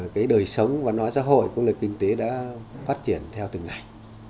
cái đời sống và nói xã hội cũng là kinh tế đã phát triển theo từng ngày